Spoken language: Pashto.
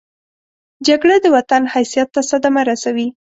جګړه د وطن حیثیت ته صدمه رسوي